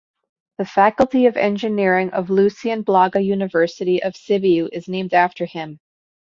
The Faculty of Engineering of Lucian Blaga University of Sibiu is named after him.